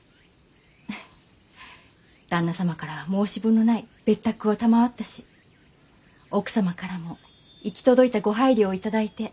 フッ旦那様から申し分のない別宅を賜ったし奥様からも行き届いたご配慮を頂いて。